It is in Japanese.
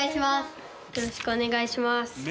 よろしくお願いします。